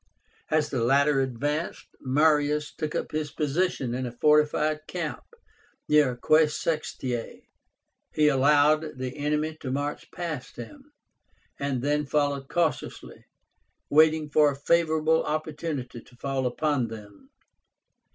As the latter advanced, Marius took up his position in a fortified camp near AQUAE SEXTIAE (Aix). He allowed the enemy to march past him, and then followed cautiously, waiting for a favorable opportunity to fall upon them.